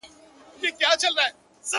لمر په لویدیځ کي ډوبیږي.